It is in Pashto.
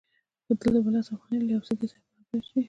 دلته به لس افغانۍ له یوې سکې سره برابرې شي